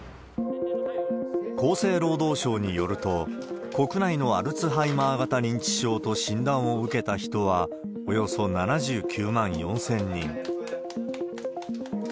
厚生労働省によると、国内のアルツハイマー型認知症と診断を受けた人は、およそ７９万４０００人。